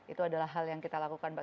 itu adalah hal yang kita lakukan mbak